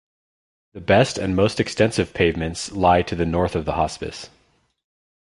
The best and most extensive pavements lie to the north of the hospice.